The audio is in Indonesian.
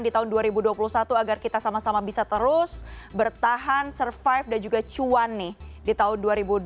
di tahun dua ribu dua puluh satu agar kita sama sama bisa terus bertahan survive dan juga cuan nih di tahun dua ribu dua puluh